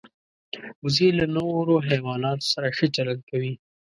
وزې له نورو حیواناتو سره ښه چلند کوي